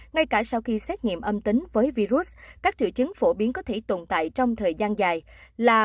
ngay cả sau khi xét nghiệm âm tính với virus các triệu chứng phổ biến có thể tồn tại trong thời gian dài là